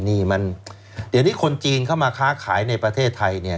นี่มันเดี๋ยวนี้คนจีนเข้ามาค้าขายในประเทศไทยเนี่ย